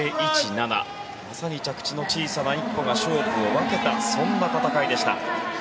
まさに着地の小さな１歩が勝負を分けたそんな戦いでした。